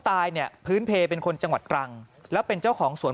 ตายเนี่ยพื้นเพลเป็นคนจังหวัดตรังแล้วเป็นเจ้าของสวน